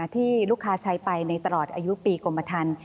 ที่ลูกค้าใช้ไปในตลอดอายุปีกรมทัน